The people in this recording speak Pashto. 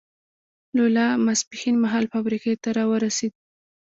لولا ماسپښین مهال فابریکې ته را ورسېد.